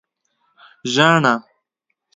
🦩زاڼه